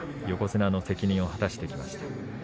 横綱の責任を果たしてきました。